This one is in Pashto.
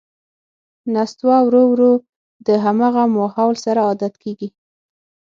نستوه ورو ـ ورو د همغه ماحول سره عادت کېږي.